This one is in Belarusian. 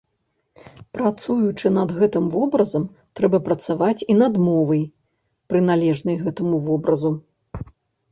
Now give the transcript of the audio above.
Працуючы над гэтым вобразам, трэба працаваць і над мовай, прыналежнай гэтаму вобразу.